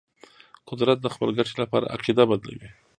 قدرت د خپل ګټې لپاره عقیده بدلوي.